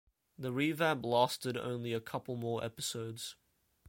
The revamp lasted only a couple more episodes.